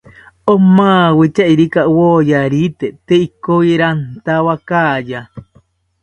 omawitya irika woyayirite, tee ikoyi rantawakaya